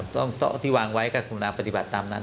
ต้องต้องที่วางไว้กับคุณาปฏิบัติตามนั้น